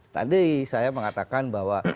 tadi saya mengatakan bahwa